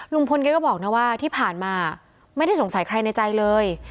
ลุงพลแกก็บอกนะว่าที่ผ่านมาไม่ได้สงสัยใครในใจเลย